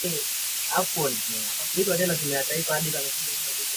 karibu sana katika makala yangu gurundumu la uchumi